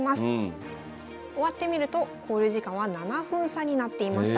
終わってみると考慮時間は７分差になっていました。